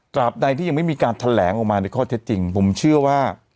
ใดที่ยังไม่มีการแถลงออกมาในข้อเท็จจริงผมเชื่อว่า